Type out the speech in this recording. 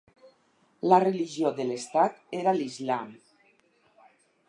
La religió de l'Estat era l'islam.